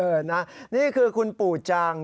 นะนี่คือคุณปู่จัง